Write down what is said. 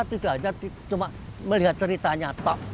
tidak hanya cuma melihat ceritanya toh